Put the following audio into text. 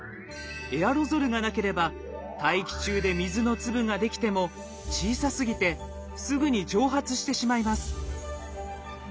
エアロゾルがなければ大気中で水の粒ができても小さすぎてすぐに蒸発してしまいます。